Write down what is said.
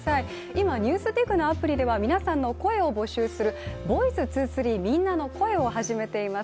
今、「ＮＥＷＳＤＩＧ」のアプリでは、皆さんの声を募集する「ｖｏｉｃｅ２３みんなの声」を始めています。